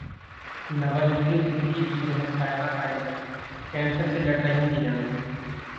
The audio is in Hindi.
नवाजुद्दीन सिद्दीकी की बहन सायमा का निधन, कैंसर से लड़ रही थीं जंग